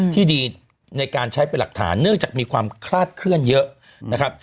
ที่ดีในการใช้เป็นหลักฐานเนื่องจากมีความคลาดเคลื่อนเยอะนะครับ